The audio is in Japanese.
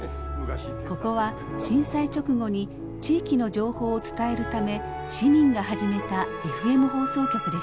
ここは震災直後に地域の情報を伝えるため市民が始めたＦＭ放送局でした。